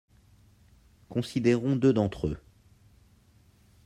Considérons deux d'entre eux.